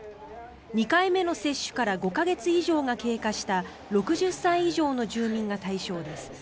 ２回目の接種から５か月以上が経過した６０歳以上の住民が対象です。